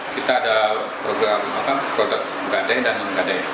kita ada program produk gadaian dan menggadaian